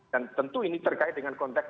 dan tentu ini terkait dengan konteks